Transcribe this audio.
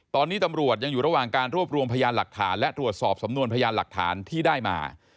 ตอนนี้ตำรวจยังอยู่ระหว่างการรวบรวมพยานหลักฐานและตรวจสอบสำนวนพยานหลักฐานที่ได้มา